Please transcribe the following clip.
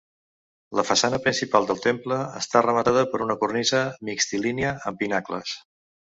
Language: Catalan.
La façana principal del temple està rematada per una cornisa mixtilínia amb pinacles.